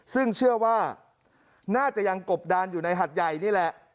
ซึ่งเชื่อว่าน่าจะยังกบดานอยู่ในหัดใหญ่นี่แหละ